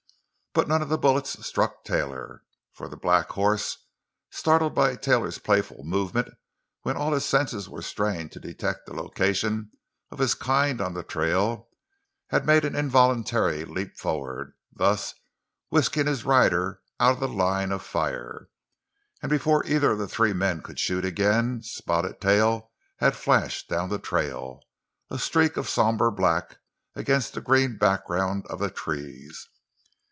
But none of the bullets struck Taylor. For the black horse, startled by Taylor's playful movement when all his senses were strained to detect the location of his kind on the trail, had made an involuntary forward leap, thus whisking his rider out of the line of fire. And before either of the three men could shoot again, Spotted Tail had flashed down the trail—a streak of somber black against the green background of the trees.